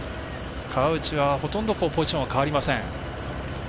川内はほとんどポジション変わりません。